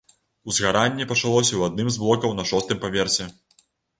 Узгаранне пачалося ў адным з блокаў на шостым паверсе.